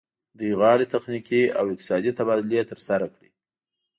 دوی غواړي تخنیکي او اقتصادي تبادلې ترسره کړي